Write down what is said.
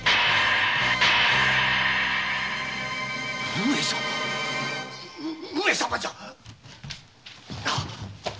上様っ上様じゃ‼